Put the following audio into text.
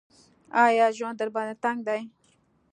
ایا ژوند درباندې تنګ دی ؟